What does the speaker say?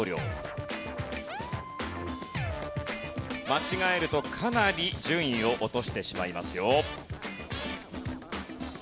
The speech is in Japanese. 間違えるとかなり順位を落としてしまいますよ。